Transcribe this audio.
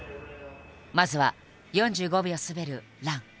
まずは４５秒滑る「ラン」。